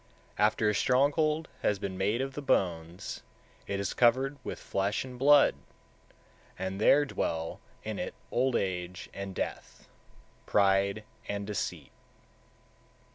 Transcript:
150. After a stronghold has been made of the bones, it is covered with flesh and blood, and there dwell in it old age and death, pride and deceit.